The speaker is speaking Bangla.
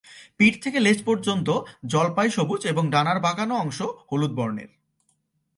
পিঠ থেকে লেজ পর্যন্ত জলপাই-সবুজ এবং ডানার বাঁকানো অংশ হলুদ বর্ণের।।